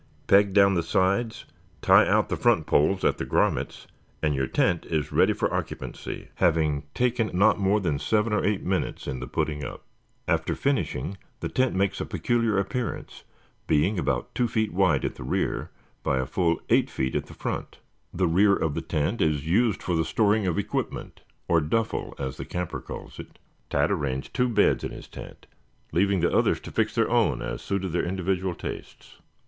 Peg down the sides, tie out the front poles at the grommets, and your tent is ready for occupancy, having taken not more than seven or eight minutes in the putting up. After finishing, the tent makes a peculiar appearance, being about two feet wide at the rear, by a full eight feet at the front. The rear of the tent is used for the storing of equipment or "duffle" as the camper calls it. Tad arranged two beds in his tent, leaving the others to fix their own as suited their individual tastes.